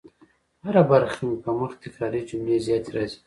په هره برخه کي مي په مخ تکراري جملې زیاتې راځي